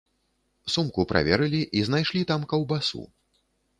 Сумку праверылі і знайшлі там каўбасу.